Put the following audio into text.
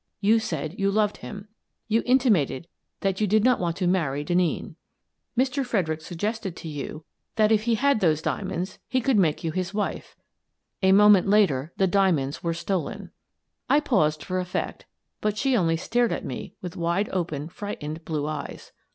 You said you loved him; you intimated that you did not want to marry Denneen. Mr. Fredericks suggested to you that if he had those 214 Miss Frances Baird, Detective diamonds he could make you his wife. A moment later the diamonds were stolen." I paused for effect, but she only stared at me with wide opened frightened blue eyes.